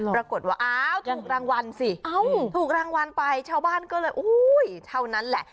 ปรากฏว่าอ้าวถูกรางวัลสิถูกรางวัลไปชาวบ้านก็เลยอุ้ยเท่านั้นแหละ